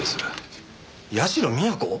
社美彌子？